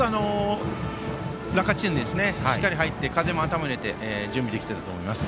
落下地点にしっかり入って風も頭に入れて準備できていたと思います。